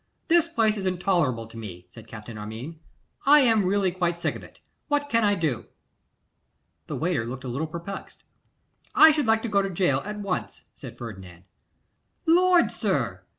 'This place is intolerable to me,' said Captain Armine. 'I really am quite sick of it. What can I do?' The waiter looked a little perplexed. 'I should like to go to gaol at once,' said Ferdinand. 'Lord! sir!